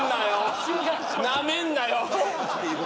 なめんなよ。